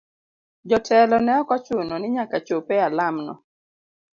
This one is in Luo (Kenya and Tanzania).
Jo telo ne ok ochuno ni nyaka chop e alam no.